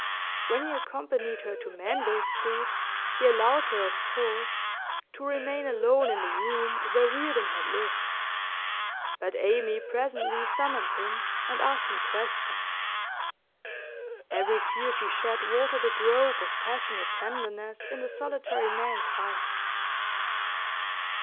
When he accompanied her to Manville Street, he allowed her, of course, to remain alone in the room where Reardon had lived; but Amy presently summoned him, and asked him questions. Every tear she shed watered a growth of passionate tenderness in the solitary man's heart.